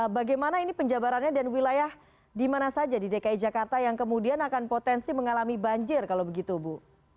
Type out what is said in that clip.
bagaimana ini penjabarannya dan wilayah di mana saja di dki jakarta yang kemudian akan potensi mengalami banjir kalau begitu bu